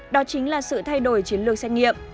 đó chính là sự thay đổi chiến lược xét nghiệm